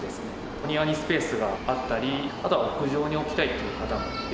お庭にスペースがあったりあとは屋上に置きたいという方もいらっしゃいますね。